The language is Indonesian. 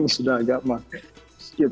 sudah agak malam